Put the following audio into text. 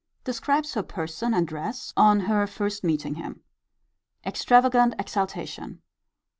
Describes her person and dress on her first meeting him. Extravagant exultation.